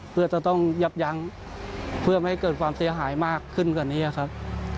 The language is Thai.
เพื่อจะต้องยับยั้งเพื่อไม่ให้เกิดความเสียหายมากขึ้นกว่านี้ครับ